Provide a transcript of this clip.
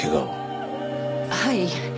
はい。